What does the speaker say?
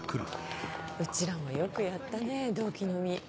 うちらもよくやったね同期飲み。